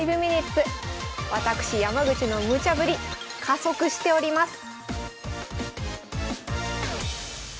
私山口のムチャぶり加速しております